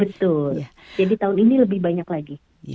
betul jadi tahun ini lebih banyak lagi